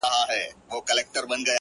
• له سدیو تښتېدلی چوروندک دی,